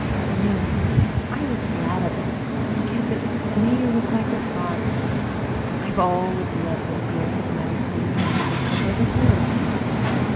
"No, I was glad of it, because it made her look like her father. I've always loved little girls with mouse coloured hair and freckles ever since.